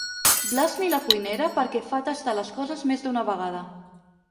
Blasmi la cuinera perquè fa tastar les coses més d'una vegada.